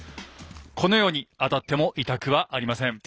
このように当たっても痛くはありません。